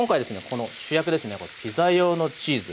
この主役ですねピザ用のチーズ。